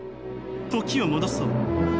時を戻そう。